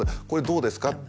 「これどうですか？」